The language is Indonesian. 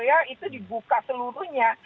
ya itu dibuka seluruhnya